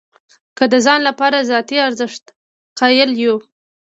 که د ځان لپاره ذاتي ارزښت قایل یو.